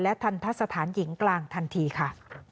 และธรรพสถานหญิงกลางทันทีค่ะ